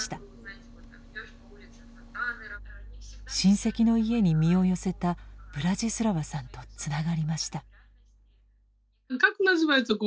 親戚の家に身を寄せたブラジスラワさんとつながりました。